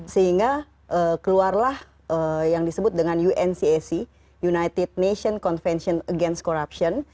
sehingga keluarlah yang disebut dengan uncac united nations convention against corruption